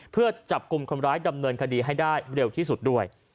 เพื่อจับกลุ่มคนร้ายดำเนินคดีให้ได้เร็วที่สุดด้วย